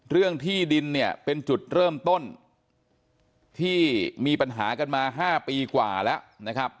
เรื่องที่ดินเนี่ยเป็นจุดเริ่มต้นที่มีปัญหากันมา๕ปีกว่าแล้วนะครับ